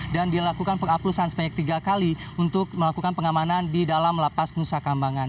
dan dilakukan pengapusan sebanyak tiga kali untuk melakukan pengamanan di dalam lapas nusa kambangan